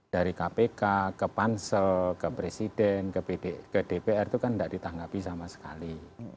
dari kpk ke pansel ke presiden ke dpr itu kan tidak ditanggapi sama sekali